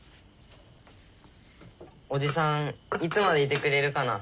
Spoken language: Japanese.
おじさんいつまでいてくれるかな？